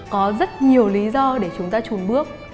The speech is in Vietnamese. có rất nhiều lý do để chúng ta trùn bước